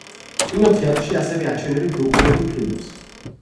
კინოთეატრში ასევე აჩვენებენ დოკუმენტურ ფილმებს.